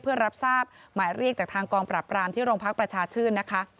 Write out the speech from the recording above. เพื่อรับทราบหมายเรียกจากทางกองปราบรามที่โรงพักประชาชื่นนะคะ